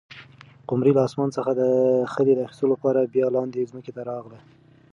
قمرۍ له اسمانه څخه د خلي د اخیستلو لپاره بیا لاندې ځمکې ته راغله.